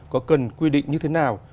có cần quy định như thế nào